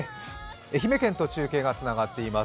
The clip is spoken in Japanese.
愛媛県と中継がつながっています。